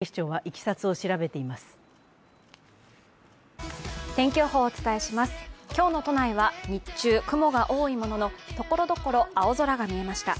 今日の都内は日中、雲が多いもののところどころ青空が見えました。